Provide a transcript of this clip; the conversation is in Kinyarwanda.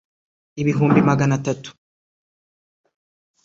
ibihumbi magana atatu